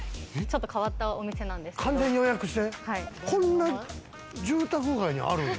こんな住宅街にあるの？